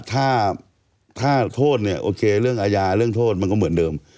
ถ้าโทษเรื่องอาญาเรื่องโทษมันก็เหมือนเดิม